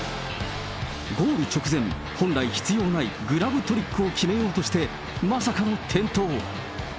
ゴール直前、本来必要ないグラブトリックを決めようとして、まさかの転倒。